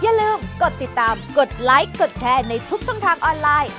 อย่าลืมกดติดตามกดไลค์กดแชร์ในทุกช่องทางออนไลน์